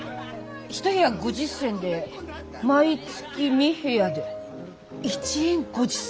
１部屋５０銭で毎月３部屋で１円５０銭だよ？